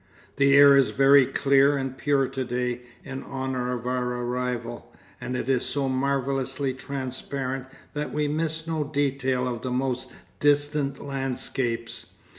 The air is very clear and pure to day in honour of our arrival, and it is so marvellously transparent that we miss no detail of the most distant landscapes.